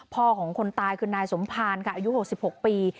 พ่อของคนตายคือนายสมภารค่ะอายุ๖๖ปี